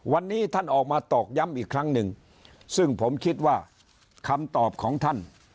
วันนี้ท่านออกมาตอกย้ำอีกครั้งหนึ่งซึ่งผมคิดว่าคำตอบของท่าน